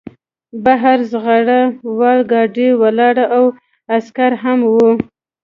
بهر زغره وال ګاډی ولاړ و او عسکر هم وو